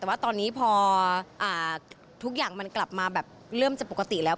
แต่ว่าตอนนี้พอทุกอย่างมันกลับมาแบบเริ่มจะปกติแล้ว